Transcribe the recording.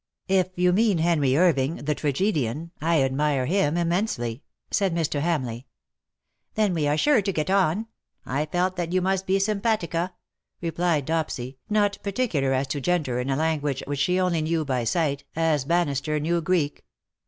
" If you mean Henry Irving the tragedian, I admire him immensely/^ said Mr. Hamleigh. " Then we are sure to get on. I felt that you must be simpatica/' replied Dopsy, not particular as to a gender in a language which she only knew by sight, as Bannister knew Greek.